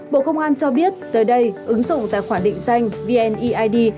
bộ công an cho biết tới đây ứng dụng tài khoản định danh vneid